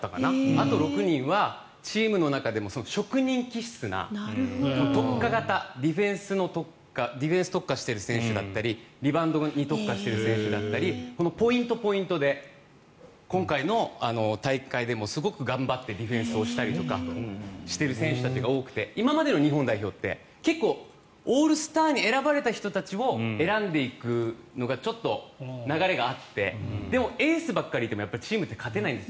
あと６人はチームの中でも職人気質な特化型ディフェンスに特化してる選手だったりリバウンドに特化している選手だったりポイント、ポイントで今回の大会でもすごく頑張ってディフェンスをしたりとかしてる選手たちが多くて今までの日本代表ってオールスターに選ばれた人たちを選んでいくのがちょっと流れがあってでもエースばかりいてもチームって勝てないんです。